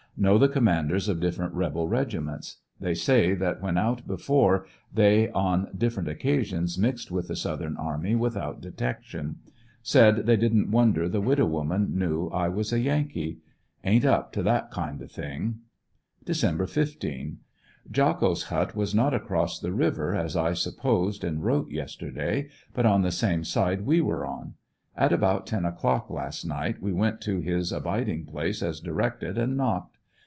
Know the commanders of different rebel regiments. They say that when out before they on different occasions mixed with the South ern army, without detection Said they didn't wonder the widow woman knew 1 was a Yankee. Ain't up to that kind of thing. Dec. 15. — Jocko's hut was not across the river as I supposed and wrote yesterday, but on the same side we were on. At about ten o'clock last night we went to his abiding place as directed and knocked.